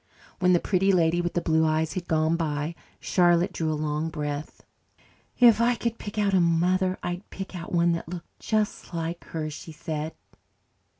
When the Pretty Lady with the Blue Eyes had gone by, Charlotte drew a long breath. "If I could pick out a mother I'd pick out one that looked just like her," she said.